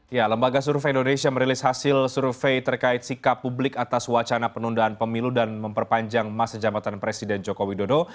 ya lembaga survei indonesia merilis hasil survei terkait sikap publik atas wacana penundaan pemilu dan memperpanjang masa jabatan presiden joko widodo